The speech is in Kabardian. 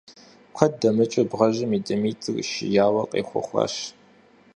Куэд дэмыкӀыу бгъэжьым и дамитӀыр шияуэ къехуэхащ.